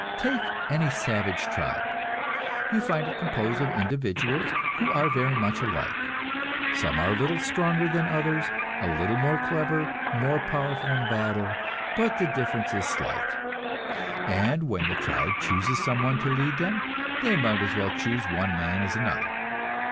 Take any savage tribe; you find it composed of individuals who are very much alike. Some are a little stronger than others, a little more clever, more powerful in battle; but the difference is slight, and when the tribe chooses someone to lead them, they might as well choose one man as another.